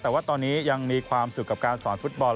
แต่ว่าตอนนี้ยังมีความสุขกับการสอนฟุตบอล